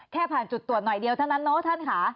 แค่ผ่านจุดตรวจหน่อยเดียวเท่านั้นเนอะท่านค่ะ